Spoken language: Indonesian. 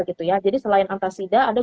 gitu ya jadi selain antasida ada